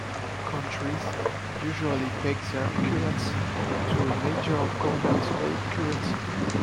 Countries usually peg their currency to a major convertible currency.